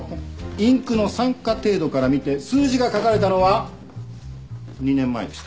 インクの酸化程度から見て数字が書かれたのは２年前でした。